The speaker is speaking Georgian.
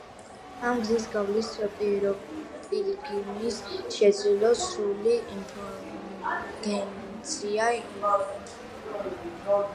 ამ გზის გავლით, პილიგრიმს შეეძლო სრული ინდულგენცია მიეღო.